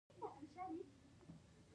د ویښتو د شپږو لپاره سرکه وکاروئ